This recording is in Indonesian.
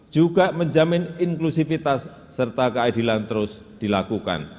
juga menjamin inklusivitas serta keadilan terus dilakukan